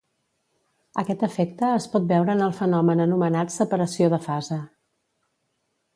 Aquest efecte es pot veure en el fenomen anomenat separació de fase.